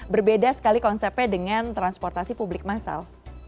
berbeda sekali konsepnya dengan transportasi publik massal